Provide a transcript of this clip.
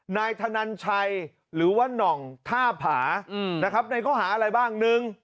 นายธนันชัยหรือว่าน่องท่าผานะครับในข้อหาอะไรบ้างหนึ่ง